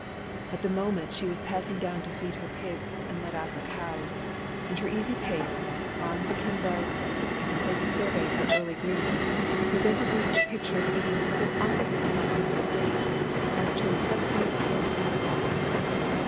At the moment, she was passing down to feed her pigs, and Let out her cows; and her easy pace, arms a kimbo, and complacent survey of her early greens, pres^ited me with a picture of ease so opposite to my own state, as to impress me ini efiapeably.